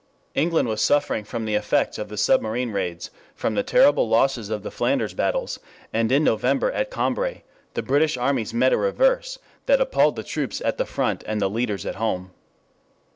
England was suffering from the effects of the submarine raids, from the terrible losses of the Flanders battles, and in November at Cambrai the British armies met a reverse that appalled the troops at the front and the leaders at home.